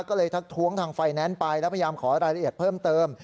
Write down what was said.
ก็เลยทักท้วงทางไฟแนนซ์ไปแล้วพยายามขอรายละเอียดเพิ่มเติม